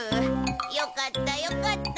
よかったよかった。